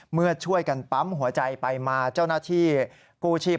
เมื่อช่วยกันปั๊มหัวใจไปมาเจ้าหน้าที่กู้ชีพ